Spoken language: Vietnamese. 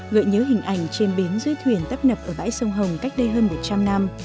gợi nhớ hình ảnh trên bến dưới thuyền tấp nập ở bãi sông hồng cách đây hơn một trăm linh năm